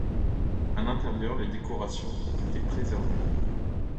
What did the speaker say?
À l'intérieur, les décorations ont été préservées.